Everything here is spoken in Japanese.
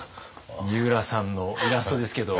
みうらさんのイラストですけど。